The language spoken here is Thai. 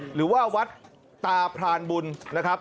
หรือว่าวัดตาพรานบุญนะครับ